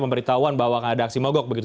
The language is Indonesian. pemberitahuan bahwa akan ada aksi mogok begitu